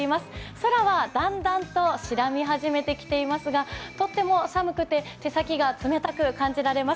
空はだんだんと白み始めてきていますが、とても寒くて、手先が冷たく感じられます。